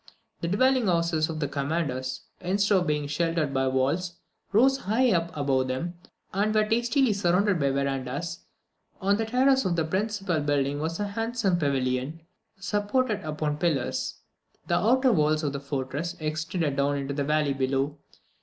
The dwelling houses of the commanders, instead of being sheltered by the walls, rose high above them, and were tastily surrounded by verandahs; on the terrace of the principal building was a handsome pavilion, supported upon pillars. The outer walls of the fortress extended down into the valley below.